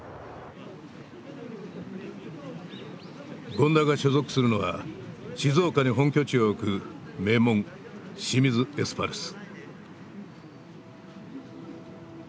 権田が所属するのは静岡に本拠地を置く名門清水エスパルス。